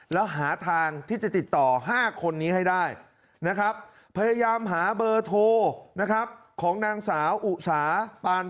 แล้วหาทางที่จะติดต่อ๕คนนี้ให้ได้นะครับ